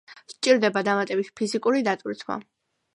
სჭირდება დამატებითი ფიზიკური დატვირთვა.